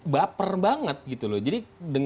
baper banget gitu loh jadi